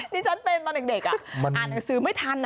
ที่ฉันเป็นตอนเด็กอ่านหนังสือไม่ทัน